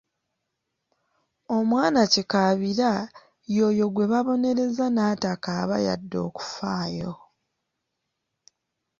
Omwana kikaabira ye oyo gwe babonereza n’atakaaba yadde okufaayo.